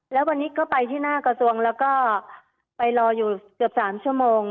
แล้ววันนี้ก็ไปที่หน้ากระทรวงแล้วก็ไปรออยู่เกือบ๓ชั่วโมง